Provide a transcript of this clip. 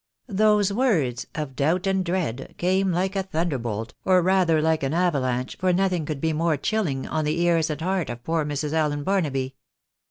" These words Of doubt and dread came like a thunderbolt — or rather like an avalanche, for nothing could be more chilling — on the ears and heart of poor Mrs. Allen Barnaby.